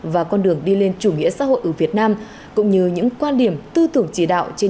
và con đường đi lên chủ nghĩa xã hội ở việt nam cũng như những quan điểm tư tưởng chỉ đạo trên